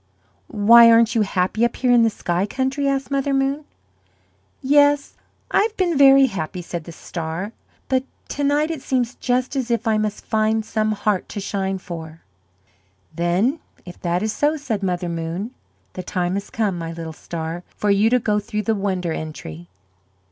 "Why, aren't you happy up here in the sky country?" asked Mother Moon. "Yes, I have been very happy," said the star; "but to night it seems just as if I must find some heart to shine for." "Then if that is so," said Mother Moon, "the time has come, my little star, for you to go through the Wonder Entry."